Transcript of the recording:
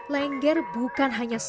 lengger bukan hanya terjadi